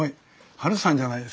ハルさんじゃないですか。